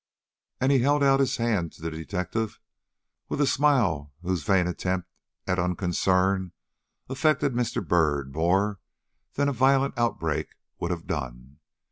And he held out his hand to the detective with a smile whose vain attempt at unconcern affected Mr. Byrd more than a violent outbreak would have done.